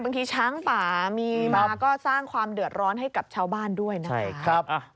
ช้างป่ามีมาก็สร้างความเดือดร้อนให้กับชาวบ้านด้วยนะครับ